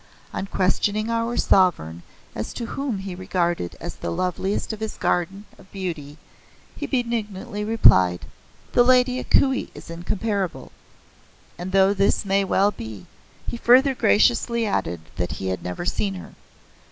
On questioning our sovereign as to whom he regarded as the loveliest of his garden of beauty he benignantly replied: "The Lady A Kuei is incomparable," and though this may well be, he further graciously added that he had never seen her.